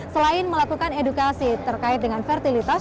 selain melakukan edukasi terkait dengan fertilitas